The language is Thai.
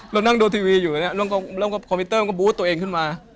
เรานั่งดูทีวีอยู่เนี่ยแล้วก็คอมพิวเตอร์มันก็บูธตัวเองขึ้นมา